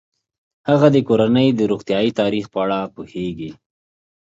هغه د کورنۍ د روغتیايي تاریخ په اړه پوهیږي.